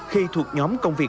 khi thuộc nhóm công viên